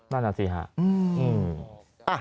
นั่นแน่นอนสิค่ะ